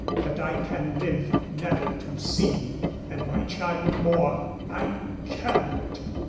That I can live never to see thee and my child more! I cannot!